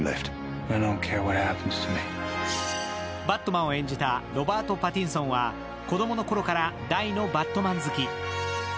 バットマンを演じたロバート・パティンソンは子供の頃から大のバットマン好き。